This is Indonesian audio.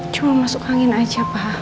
cuma masuk angin aja pak